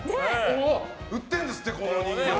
売ってるんですってこの人形。